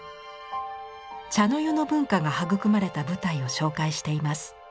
茶の湯の文化が育まれた舞台を紹介しています。